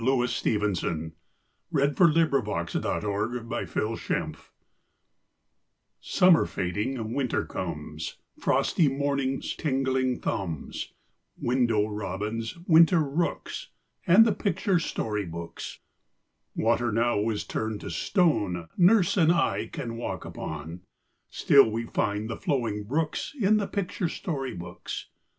How great and cool the rooms! PICTURE BOOKS IN WINTER Summer fading, winter comes Frosty mornings, tingling thumbs, Window robins, winter rooks, And the picture story books. Water now is turned to stone Nurse and I can walk upon; Still we find the flowing brooks In the picture story books.